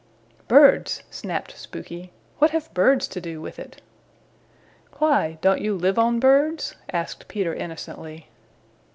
"Birds!" snapped Spooky. "What have birds to do with it?" "Why, don't you live on birds?" asked Peter innocently.